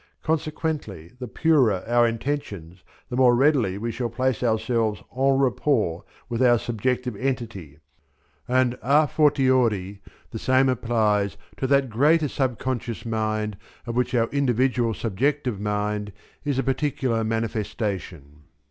Consequently the purer our intentions the more readily we shall place ourself en rapport with our subjective entity; and a fortiori the same applies to that Greater Sub conscious Mind of which our individual subjective mind is a particular manifestation.